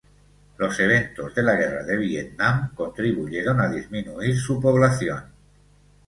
Los eventos de la Guerra de Vietnam contribuyeron a disminuir su población.